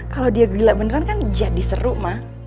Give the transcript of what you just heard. kalau dia gila beneran kan jadi seru mah